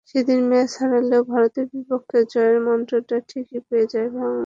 সেদিন ম্যাচ হারলেও ভারতের বিপক্ষে জয়ের মন্ত্রটা ঠিকই পেয়ে যায় বাংলাদেশ।